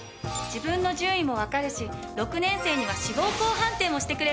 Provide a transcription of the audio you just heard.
自分の順位もわかるし６年生には志望校判定もしてくれるわよ。